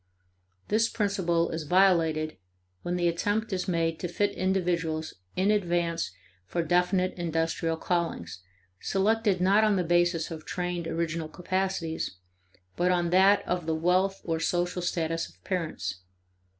This principle is violated when the attempt is made to fit individuals in advance for definite industrial callings, selected not on the basis of trained original capacities, but on that of the wealth or social status of parents.